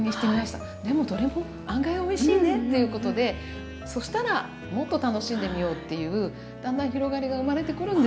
でもどれも案外おいしいねっていうことでそしたらもっと楽しんでみようっていうだんだん広がりが生まれてくるんですよ。